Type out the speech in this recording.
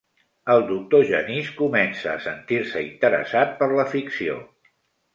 El doctor Genís comença a sentir-se interessat per la ficció.